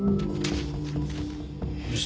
よし。